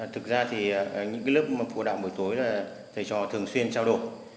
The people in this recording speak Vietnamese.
thực ra thì những lớp phụ đạo buổi tối là thầy trò thường xuyên trao đổi